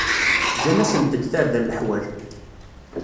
Ǧǧan-asent-d tarda n leḥwal.